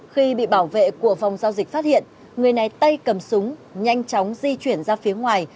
khi bị bảo vệ của phòng giao dịch phát hiện người này tây cầm súng nhanh chóng di chuyển ra phía ngoài